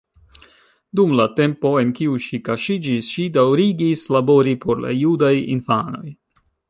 Dum la tempo en kiu ŝi kaŝiĝis, ŝi daŭrigis labori por la judaj infanoj.